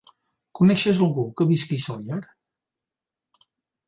Coneixes algú que visqui a Sóller?